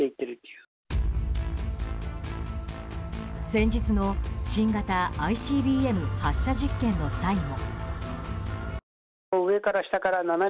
先日の新型ＩＣＢＭ発射実験の際も。